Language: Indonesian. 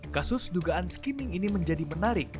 kasus dugaan skimming ini menjadi menarik